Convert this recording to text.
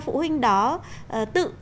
phụ huynh đó tự